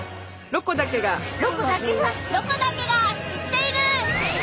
「ロコだけが知っている」。